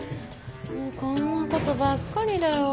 もうこんな事ばっかりだよ。